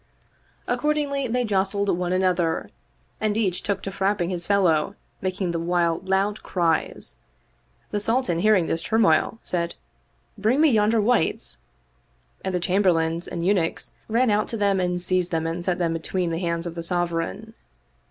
Accordingly they jostled one another and each took to frapping his fel low, making the while loud outcries. The Sultan hearing this turmoil said, "Bring me yonder wights"; and the Chamberlains and Eunuchs ran out to them and seized them and set them between the hands of the Sovereign.